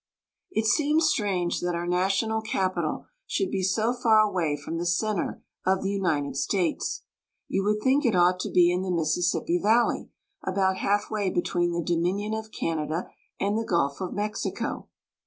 IT seems strange that our national capital should be so far away from the center of the United States. You would think it ought to be in the Mississippi Valley, about half way between the Dominion of Canada and the Gulf of Mexico.